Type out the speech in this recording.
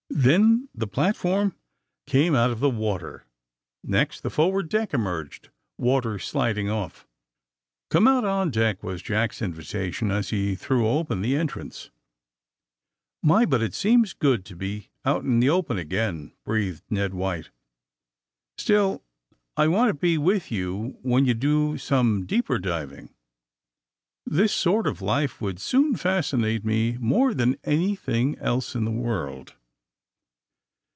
Then the platform came out 176 THE SUBMAEINE BOYS of the water, next the forward deck emerged, water sliding off. *^Come out on deck,'' was Jack's invitation, as he threw open the entrance. ^*My bnt it seems good to be out in the open again !'' breathed Ned White. '' Still I want to be with you when you do some deeper diving. This sort of life would soon fascinate me more than anything else in the world.